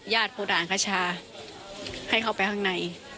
ญาติพลธอาร์ดขชาให้เข้าไปข้างใน